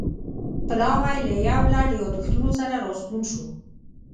پلاوی له یو لړ یادښتونو سره راستون شو